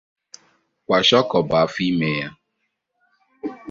Kwashiọkọ bụ afọ ime ya